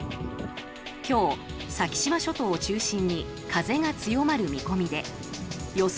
今日、先島諸島を中心に風が強まる見込みで予想